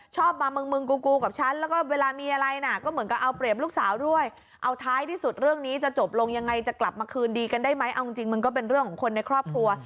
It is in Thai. จะเอาตังค์ที่ไหนให้เรา